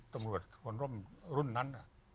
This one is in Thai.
ตำรวจพลร่มรุ่นนั้น